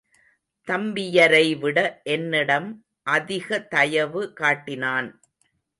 தம்பியரைவிட என்னிடம் அதிக தயவு காட்டினான்.